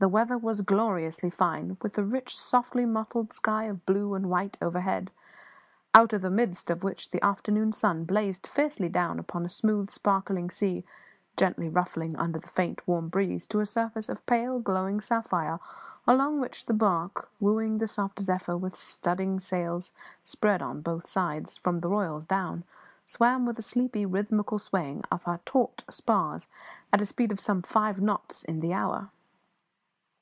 The weather was gloriously fine, with a rich, softly mottled sky of blue and white overhead, out of the midst of which the afternoon sun blazed fiercely down upon a smooth, sparkling sea, gently ruffling under the faint, warm breeze to a surface of pale, glowing sapphire, along which the barque, wooing the soft zephyr with studding sails spread on both sides, from the royals down, swam with a sleepy, rhythmical swaying of her taunt spars, at a speed of some five knots in the hour.